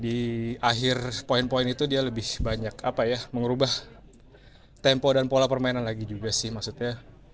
di akhir poin poin itu dia lebih banyak apa ya mengubah tempo dan pola permainan lagi juga sih maksudnya